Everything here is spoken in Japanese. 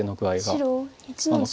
白１の十八。